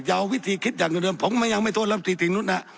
อย่าเอาวิธีคิดอย่างเดิมเดิมผมยังไม่โทษรับสติถิงนุษย์น่ะ